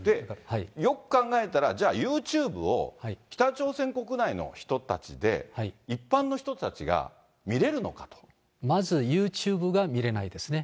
よく考えたら、じゃあユーチューブを、北朝鮮国内の人たちで、まずユーチューブが見れないですね。